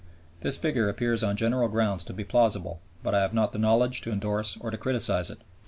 This figure appears on general grounds to be plausible, but I have not the knowledge to endorse or to criticize it.